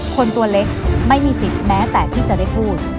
ตัวเล็กไม่มีสิทธิ์แม้แต่ที่จะได้พูด